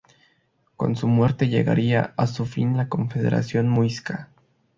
Con su muerte llegaría a su fin la Confederación Muisca.